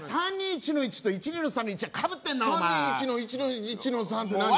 ３２１の１と１２の３の１はかぶってんの３２１の１の１の３って何？